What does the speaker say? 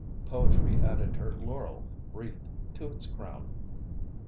Poetry added her laurel wreath to its crown.